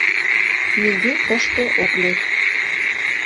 нигӧ тыште ок лек.